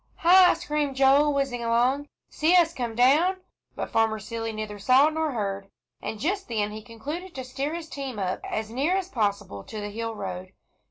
"Hi!" screamed Joel, whizzing along. "See us come down," but Farmer Seeley neither saw nor heard, and just then he concluded to steer his team up as near as possible to the hill road.